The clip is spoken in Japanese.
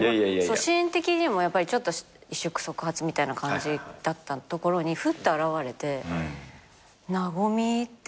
シーン的にもやっぱりちょっと一触即発みたいな感じだったところにふって現れて和みってなったよね。